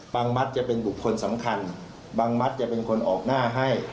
มัดจะเป็นบุคคลสำคัญบางมัดจะเป็นคนออกหน้าให้